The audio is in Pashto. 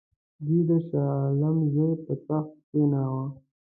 دوی د شاه عالم زوی پر تخت کښېناوه.